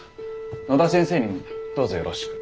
野田先生にもどうぞよろしく。